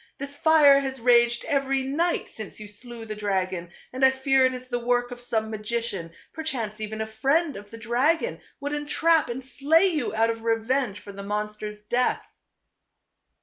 This fire has raged every night since you slew the dragon, and I fear it is the work of some magician •, perchance even a friend of the dragon would entrap and slay you out of revenge for the monster's death."